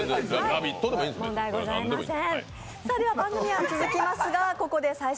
問題ございません。